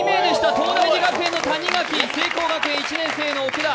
東大寺学園の谷垣、聖光学院１年生の奥田。